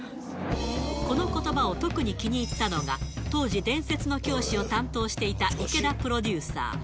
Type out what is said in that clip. このことばを特に気に入ったのが、当時、伝説の教師を担当していた池田プロデューサー。